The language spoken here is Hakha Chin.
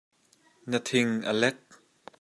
Na thing a lek.